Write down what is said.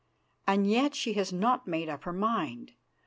As yet she has not made up her mind.